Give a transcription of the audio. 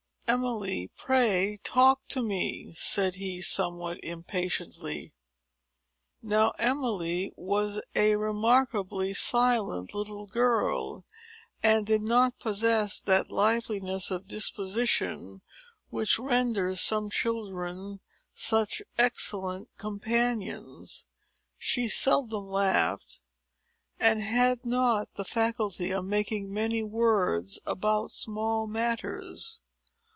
"Emily, pray talk to me!" said he, somewhat impatiently. Now, Emily was a remarkably silent little girl, and did not possess that liveliness of disposition which renders some children such excellent companions. She seldom laughed, and had not the faculty of making many words about small matters.